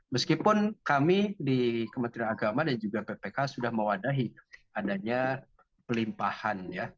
meskipun kami di kementerian agama dan juga ppk sudah mewadahi adanya pelimpahan